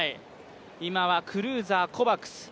今はクルーザー、コバクス。